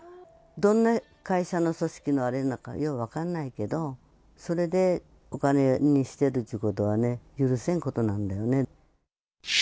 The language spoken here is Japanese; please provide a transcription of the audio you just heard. どんな会社の組織なんか、よう分かんないけど、それでお金にしてるっていうことはね、許せんことなんでね。